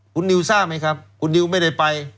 คุณนิวทราบไหมครับคุณนิวไม่ได้ไป